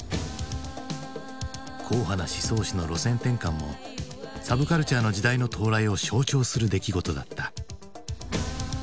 硬派な思想誌の路線転換もサブカルチャーの時代の到来を象徴する出来事だった。